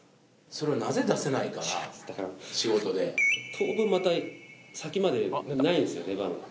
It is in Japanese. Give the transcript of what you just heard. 当分また先までないんですよ出番が。